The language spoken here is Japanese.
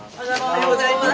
おはようございます。